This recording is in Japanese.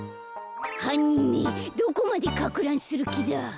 はんにんめどこまでかくらんするきだ。